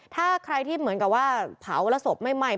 ถ้าใครที่เหมือนกับว่าเผาแล้วศพไม่ไหม้